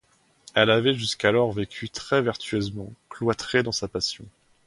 Elle avait jusqu’alors vécu très vertueusement, cloîtrée dans sa passion.